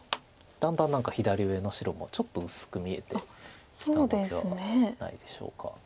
だんだん何か左上の白もちょっと薄く見えてきたのではないでしょうか。